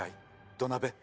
土鍋。